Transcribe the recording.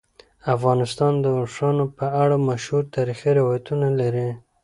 افغانستان د اوښانو په اړه مشهور تاریخی روایتونه لري.